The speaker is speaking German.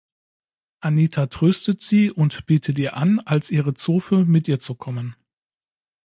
Anita tröstet sie und bietet ihr an, als ihre Zofe mit ihr zu kommen.